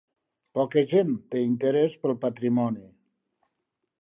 Poca gent té interès pel patrimoni.